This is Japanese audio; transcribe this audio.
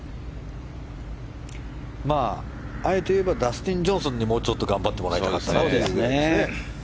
あえて言えばダスティン・ジョンソンにもうちょっと頑張ってもらいたかったなと。